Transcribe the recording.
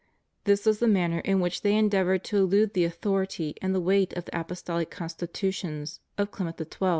This was the manner in which they endeavored to elude the authority and the weight of the Apostolic Constitutions of Clement XII.